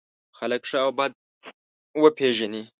خلک ښه او بد وپېژني.